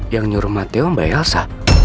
yang nyuruh mati om mbak elsa